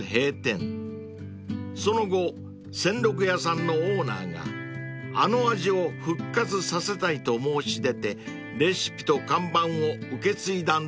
［その後仙六屋さんのオーナーがあの味を復活させたいと申し出てレシピと看板を受け継いだんだそうです］